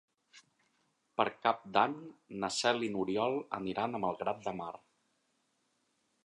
Per Cap d'Any na Cel i n'Oriol aniran a Malgrat de Mar.